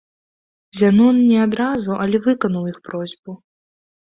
Зянон не адразу, але выканаў іх просьбу.